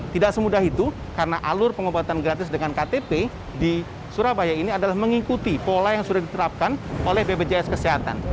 tidak semudah itu karena alur pengobatan gratis dengan ktp di surabaya ini adalah mengikuti pola yang sudah diterapkan oleh bpjs kesehatan